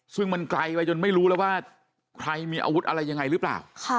ซึ่งมันไกลไปจนไม่รู้แล้วว่าใครมีอาวุธอะไรยังไงหรือเปล่า